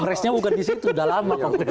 kongresnya bukan disitu udah lama bang